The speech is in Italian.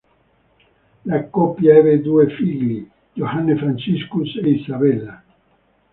La coppia ebbe due figli, Johannes Franciscus e Isabella.